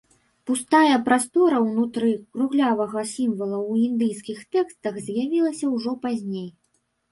Пустая прастора ўнутры круглявага сімвала ў індыйскіх тэкстах з'явілася ўжо пазней.